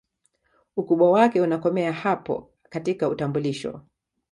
Ukubwa wake unakomea hapo katika utambulisho